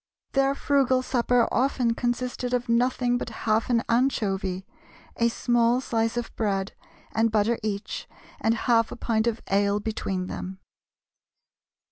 Their frugal supper often consisted of nothing but half an anchovy, a small slice of bread and butter each, and half a pint of ale between them.